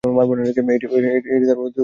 এটি তার যুক্ত বাদ্যযন্ত্র।